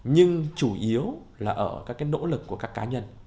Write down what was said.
nhưng chủ yếu là ở các cái nỗ lực của các cá nhân